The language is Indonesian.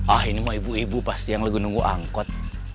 ah ini mah ibu ibu pasti yang lagi nunggu angkot